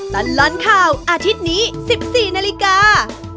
ตลอดข่าวอาทิตย์นี้๑๔นาฬิกา